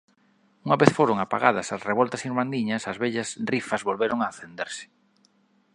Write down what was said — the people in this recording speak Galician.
Unha vez foron apagadas as revoltas irmandiñas as vellas rifas volveron a acenderse.